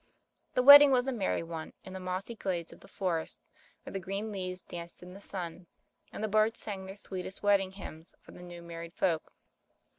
The wedding was a merry one, in the mossy glades of the forest where the green leaves danced in the sun, and the birds sang their sweetest wedding hymns for the new married folk.